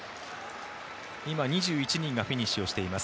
今、２１人がフィニッシュをしています。